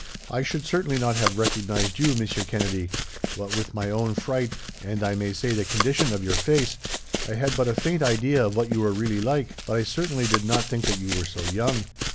"I should certainly not have recognized you, Monsieur Kennedy. What with my own fright, and, I may say, the condition of your face, I had but a faint idea of what you were really like; but I certainly did not think that you were so young.